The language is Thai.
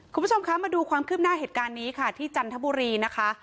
คุณผู้ชมคะมาดูความคืบหน้าเหตุการณ์นี้ค่ะที่จันทบุรีนะคะ